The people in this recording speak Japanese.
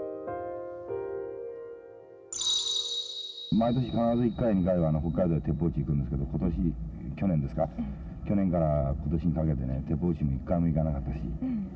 毎年、必ず１回、２回は、北海道に鉄砲撃ちに行くんですけど、ことし、去年ですか、去年からことしにかけては、鉄砲撃ちに一回も行かなかったし。